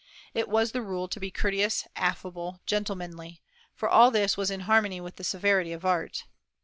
It was the rule to be courteous, affable, gentlemanly, for all this was in harmony with the severity of art.